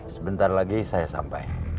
sebentar lagi saya sampai